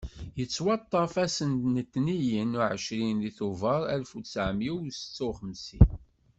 Yettwaṭṭef ass n tniyen uɛecrin deg tubeṛ Alef u ṭṭɛemya u setta u xemsin.